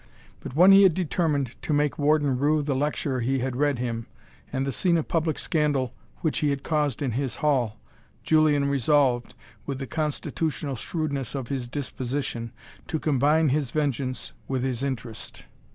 But when he had determined to make Warden rue the lecture he had read him, and the scene of public scandal which he had caused in his hall, Julian resolved, with the constitutional shrewdness of his disposition, to combine his vengeance with his interest.